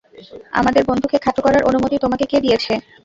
আমাদের বন্ধুকে খাটো করার অনুমতি তোমাকে কে দিয়েছে?